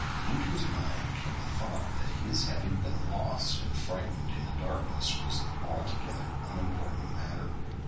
Into his mind came the thought that his having been lost and frightened in the darkness was an altogether unimportant matter.